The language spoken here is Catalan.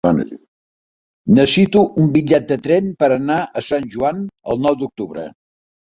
Necessito un bitllet de tren per anar a Sant Joan el nou d'octubre.